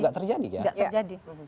tidak terjadi ya